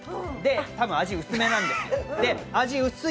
多分、味が薄めなんですよ。